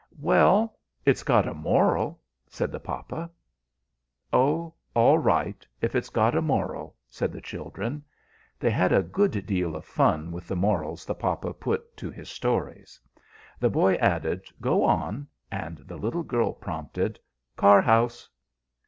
"Well, it's got a moral," said the papa. "Oh, all right, if it's got a moral," said the children; they had a good deal of fun with the morals the papa put to his stories. The boy added, "Go on," and the little girl prompted, "Car house."